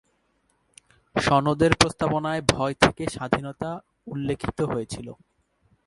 সনদের প্রস্তাবনায় ভয় থেকে স্বাধীনতা উল্লেখিত হয়েছিল।